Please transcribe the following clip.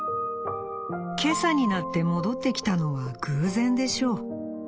今朝になって戻ってきたのは偶然でしょう。